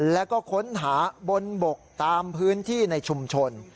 แล้วก็ค้นหาบนบกตามพื้นที่ในชุมชน